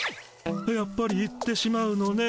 「やっぱり行ってしまうのね」。